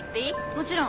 もちろん。